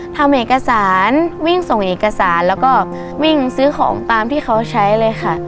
ทำเอกสารวิ่งส่งเอกสารแล้วก็วิ่งซื้อของตามที่เขาใช้เลยค่ะ